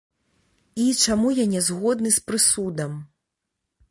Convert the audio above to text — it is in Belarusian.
І чаму я не згодны з прысудам.